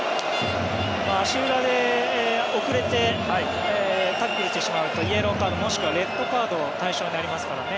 足裏で遅れてタックルしてしまうとイエローカードもしくはレッドカードの対象になりますからね。